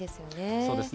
そうですね。